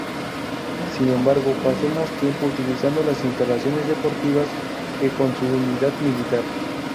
Sin embargo, pasó más tiempo utilizando las instalaciones deportivas que con su unidad militar.